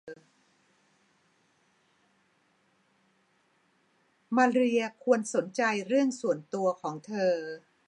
มาเรียควรสนใจเรื่องส่วนตัวของเธอ